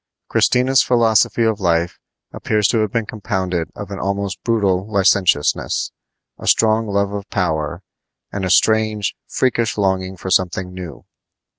Christina's philosophy of life appears to have been compounded of an almost brutal licentiousness, a strong love of power, and a strange, freakish longing for something new.